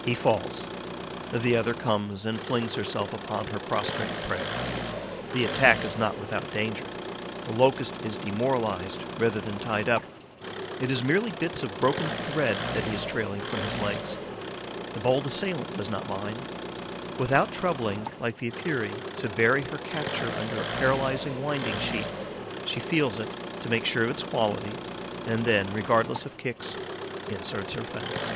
He falls; the other comes and flings herself upon her prostrate prey. The attack is not without danger. The Locust is demoralized rather than tied up; it is merely bits of broken thread that he is trailing from his legs. The bold assailant does not mind. Without troubling, like the Epeirae, to bury her capture under a paralysing winding sheet, she feels it, to make sure of its quality, and then, regardless of kicks, inserts her fangs.